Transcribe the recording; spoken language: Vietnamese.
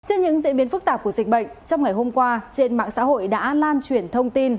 trên những diễn biến phức tạp của dịch bệnh trong ngày hôm qua trên mạng xã hội đã lan truyền thông tin